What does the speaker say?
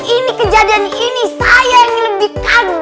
ini kejadian ini saya yang lebih kagum